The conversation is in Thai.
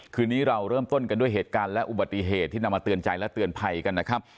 คืนนี้เราเริ่มต้นกันด้วยเหตุการณ์และอุบัติเหตุที่นำมาเตือนใจและเตือนภัยกันนะครับ